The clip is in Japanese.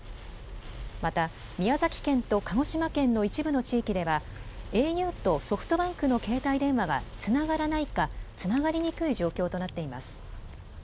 また、宮崎県と鹿児島県の一部の地域では、ａｕとソフトバンクの携帯電話がつながらないか、つながりにくい状況となっています。